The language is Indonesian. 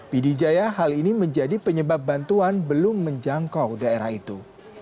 pidijaya hal ini menjadi penyebab bantuan belum menjangkau daerah itu